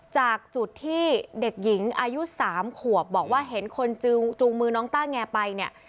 จากจุดที่เด็กหญิงอายุ๓ขวบบอกว่าเห็นคนจูงมือน้องต้าแงไปเนี่ย